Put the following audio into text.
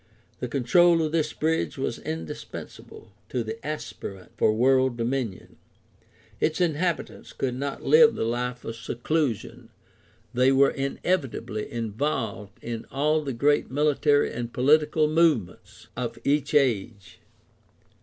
The control of this bridge was indispensable to the aspirant for world dominion. Its inhabitants could not live the hfe of seclusion; they were inevitably involved in all the great military and political movements of each age.